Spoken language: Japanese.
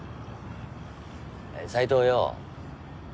斎藤よ。